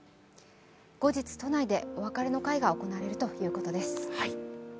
後日、都内でお別れの会が行われるということです。